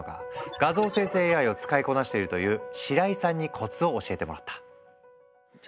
画像生成ＡＩを使いこなしているという白井さんにコツを教えてもらった。